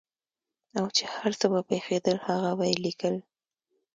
او چې هر څه به پېښېدل هغه به یې لیکل.